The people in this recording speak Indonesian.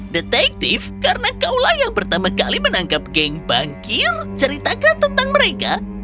detektif karena kaulah yang pertama kali menangkap geng bangkir ceritakan tentang mereka